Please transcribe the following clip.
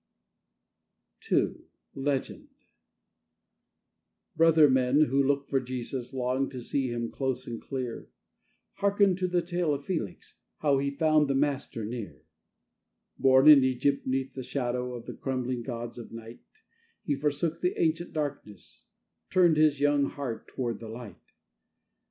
_" II LEGEND Brother men who look for Jesus, long to see Him close and clear, Hearken to the tale of Felix, how he found the Master near. Born in Egypt, 'neath the shadow of the crumbling gods of night, He forsook the ancient darkness, turned his young heart toward the Light.